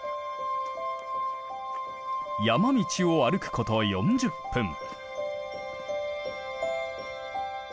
山道を歩くこと４０分。